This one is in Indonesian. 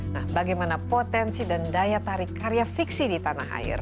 nah bagaimana potensi dan daya tarik karya fiksi di tanah air